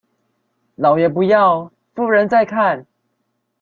老爺不要夫人在看